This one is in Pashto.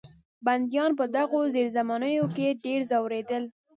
بندیان به په دغو زیرزمینیو کې ډېر ځورېدل.